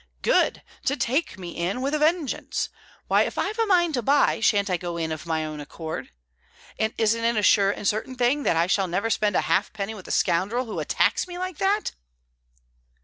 "Good! To take me in, with a vengeance. Why, if I've a mind to buy, shan't I go in of my own accord? And isn't it a sure and certain thing that I shall never spend a halfpenny with a scoundrel who attacks me like that?"